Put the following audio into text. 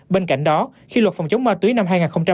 bên cạnh đó khi luật phòng chống ma túy năm hai nghìn hai mươi một